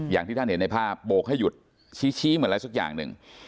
อย่างที่ท่านเห็นในภาพโบกให้หยุดชี้เหมือนอะไรสักอย่างหนึ่ง